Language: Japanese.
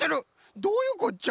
どういうこっちゃ！？